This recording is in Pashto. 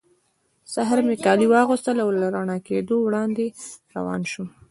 سهار مې کالي واغوستل او له رڼا کېدو وړاندې روان شوم.